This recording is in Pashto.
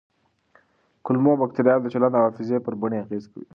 کولمو بکتریاوې د چلند او حافظې پر بڼې اغېز کوي.